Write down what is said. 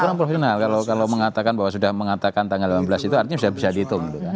secara proporsional kalau mengatakan bahwa sudah mengatakan tanggal delapan belas itu artinya sudah bisa dihitung